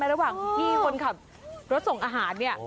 ระหว่างที่คนขับรถส่งอาหารเนี่ย